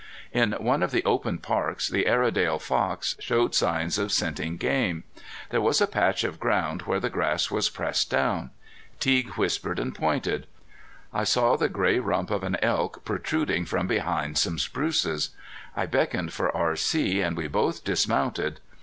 In one of the open parks the Airedale Fox showed signs of scenting game. There was a patch of ground where the grass was pressed down. Teague whispered and pointed. I saw the gray rump of an elk protruding from behind some spruces. I beckoned for R.C. and we both dismounted.